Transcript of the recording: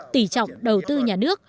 tỷ trọng đầu tư nhà nước